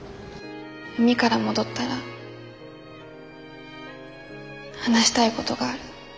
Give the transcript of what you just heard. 海から戻ったら話したいごどがある。